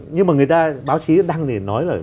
nhưng mà người ta báo chí đăng thì nói là